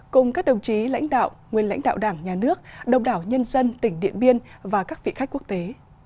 cùng các đồng chí lãnh đạo nguyên lãnh đạo đảng nhà nước đồng đảo nhân dân tỉnh điện biên và các vị khách quốc tế